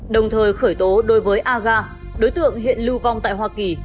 đồng thời khởi tố đối với aga đối tượng hiện lưu vong tại hoa kỳ